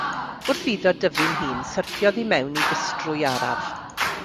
Wrth iddo dyfu'n hŷn syrthiodd i mewn i ddistryw araf.